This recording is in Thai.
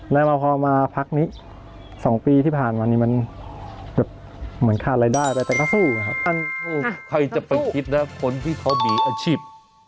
แล้วพอมาพักนี้สองปีที่ผ่านมานี่มันแบบเหมือนฆ่ารายได้ผ่านแตกข้าสู้หรือครับ